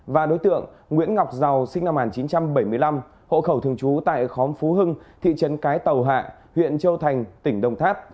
và đối tượng nguyễn ngọc giàu sinh năm một nghìn chín trăm bảy mươi năm hộ khẩu thường trú tại khóm phú hưng thị trấn cái tàu hạ huyện châu thành tỉnh đồng tháp